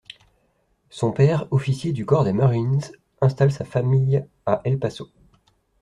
Son père, officier du Corps des Marines, installe sa famille à El Paso.